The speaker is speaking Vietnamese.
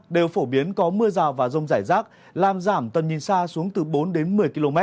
đều phổ biến có mưa rào và rông rải rác làm giảm tầm nhìn xa xuống từ bốn đến một mươi km